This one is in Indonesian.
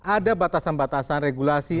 ada batasan batasan regulasi